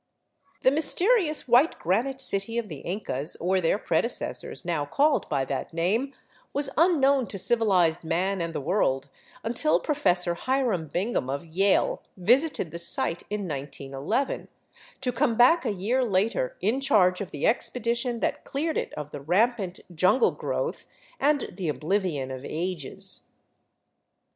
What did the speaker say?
The mysterious, white granite city of the Incas or their predecessors now called by that name was unknown to civilized man and the world until Professor Hiram Bingham of Yale visited the site in 191 1, to come back a year later in charge of the expedition that cleared it of the rampant jungle growth and the oblivion of ages.